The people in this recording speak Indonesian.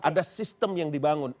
itu adalah sistem yang dibangun